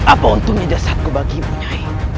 apa untungnya jasadku bagi ibu nyai